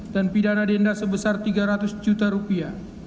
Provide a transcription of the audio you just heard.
dan pidana denda sebesar tiga ratus juta rupiah